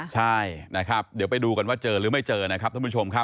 ใช่นะครับเดี๋ยวไปดูกันว่าเจอหรือไม่เจอนะครับท่านผู้ชมครับ